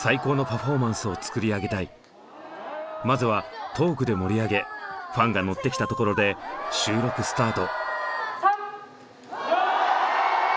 まずはトークで盛り上げファンが乗ってきたところで収録スタート。